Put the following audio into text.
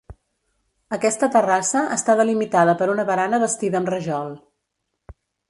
Aquesta terrassa està delimitada per una barana bastida amb rajol.